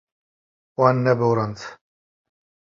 Wan neborand.